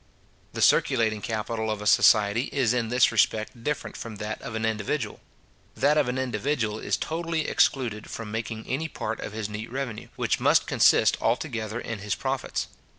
The circulating capital of a society is in this respect different from that of an individual. That of an individual is totally excluded from making any part of his neat revenue, which must consist altogether in his profits.